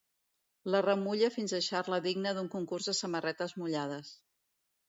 La remulla fins deixar-la digna d'un concurs de samarretes mullades.